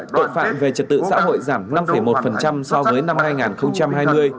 tội phạm về trật tự xã hội giảm năm một so với năm hai nghìn hai mươi